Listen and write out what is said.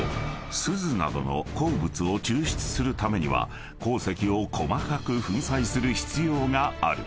錫などの鉱物を抽出するためには鉱石を細かく粉砕する必要がある］